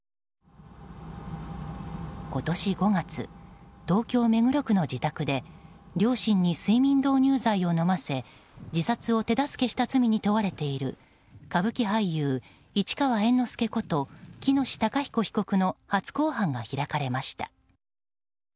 今年５月東京・目黒区の自宅で両親に睡眠導入剤を飲ませ自殺を手助けした罪に問われている歌舞伎俳優・市川猿之助被告こと喜熨斗孝彦被告の初公判が開かれました。